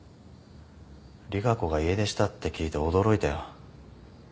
利佳子が家出したって聞いて驚いたよ。